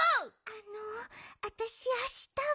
あのあたしあしたは。